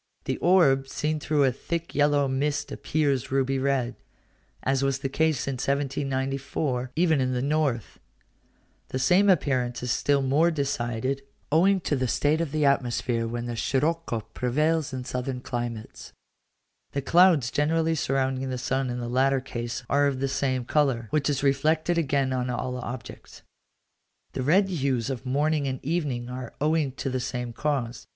The orb seen through a thick yellow mist appears ruby red (as was the case in 1794, even in the north); the same appearance is still more decided, owing to the state of the atmosphere, when the scirocco prevails in southern climates: the clouds generally surrounding the sun in the latter case are of the same colour, which is reflected again on all objects. The red hues of morning and evening are owing to the same cause.